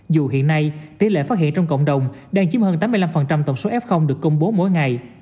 dù hiện nay tỷ lệ phát hiện trong cộng đồng đang chiếm hơn tám mươi năm tổng số f được công bố mỗi ngày